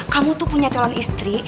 kamu tuh punya calon istri